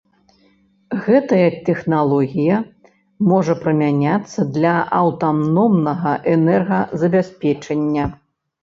Гэтая тэхналогія можа прымяняцца для аўтаномнага энергазабеспячэння.